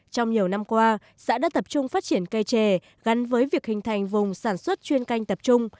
trong nhiều năm qua xã đã tập trung phát triển cây trè gắn với việc hình thành vùng sản xuất chuyên canh tập trung